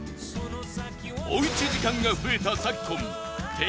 おうち時間が増えた